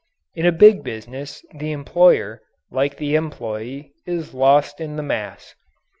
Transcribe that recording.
In a big business the employer, like the employee, is lost in the mass.